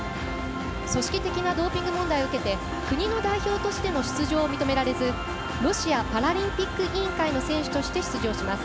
組織的なドーピング問題を受けて国の代表としての出場が認められずロシアパラリンピック委員会の選手として出場します。